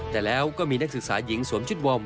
แต่แล้วก็มีนักศึกษาหญิงสวมชุดวอร์ม